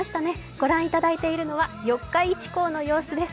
御覧いただいているのは四日市港の様子です。